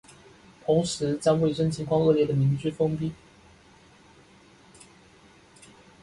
同时将卫生情况恶劣的民居封闭。